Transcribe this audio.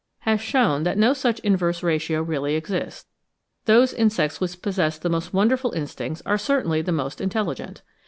has shewn that no such inverse ratio really exists. Those insects which possess the most wonderful instincts are certainly the most intelligent.